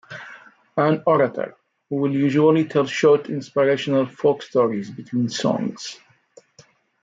An orator will usually tell short inspirational folk-stories between songs.